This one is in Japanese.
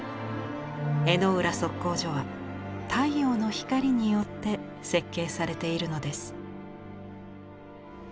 江之浦測候所は太陽の光によって設計されているのです。